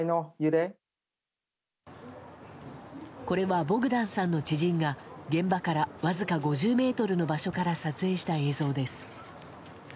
これは、ボグダンさんの知人が現場からわずか５０ｍの場所から撮影した映像です。